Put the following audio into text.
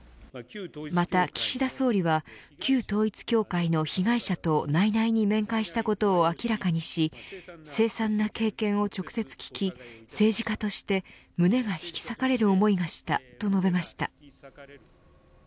また岸田総理は旧統一教会の被害者と内々に面会したことを明らかにしせい惨な経験を直接聞き政治家として胸が引き裂かれる思いがしたと述べました。